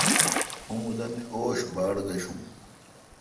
اں مودہ می اوش باڑگشوں۔